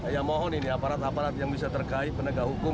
ya mohon ini aparat aparat yang bisa terkait penegak hukum